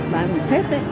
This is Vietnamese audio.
bác ấy cũng xếp đấy